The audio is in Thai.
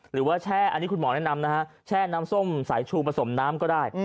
แช่อันนี้คุณหมอแนะนำนะฮะแช่น้ำส้มสายชูผสมน้ำก็ได้